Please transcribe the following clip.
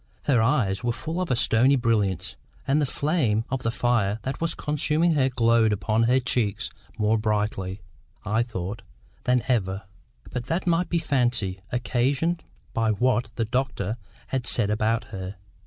Her eyes were full of a stony brilliance, and the flame of the fire that was consuming her glowed upon her cheeks more brightly, I thought, than ever; but that might be fancy, occasioned by what the doctor had said about her.